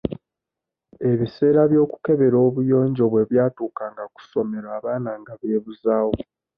Ebiseera by'okukebera obuyonjo bwe byatuukanga ku ssomero abaana nga beebuzaawo.